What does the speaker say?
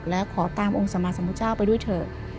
และขอตามองค์สมาสมพุทธเจ้าไปด้วยเถอะ